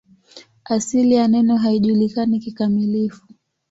Asili ya neno haijulikani kikamilifu.